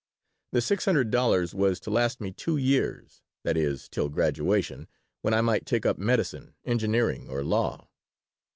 The six hundred dollars was to last me two years that is, till graduation, when I might take up medicine, engineering, or law.